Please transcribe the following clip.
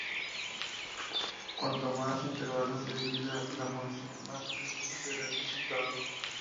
Cuanto más intervalos se divida la función más preciso será el resultado.